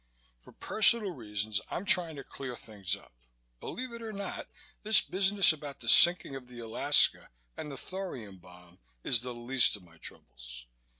For personal reasons I'm trying to clear things up. Believe it or not, this business about the sinking of the Alaska and the thorium bomb is the least of my troubles.